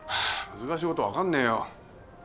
難しいことは分かんねえよ